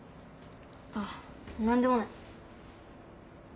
あっなんでもない。